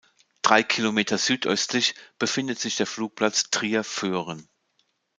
Drei Kilometer südöstlich befindet sich der Flugplatz Trier-Föhren.